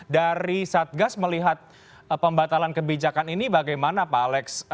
dari satgas melihat pembatalan kebijakan ini bagaimana pak alex